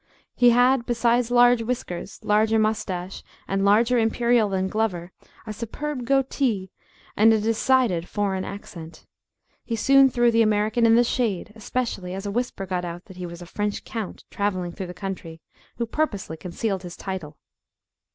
He had, besides larger whiskers, larger moustache, and larger imperial than Glover, a superb goatee, and a decided foreign accent. He soon threw the American in the shade, especially as a whisper got out that he was a French count travelling through the country, who purposely concealed his title.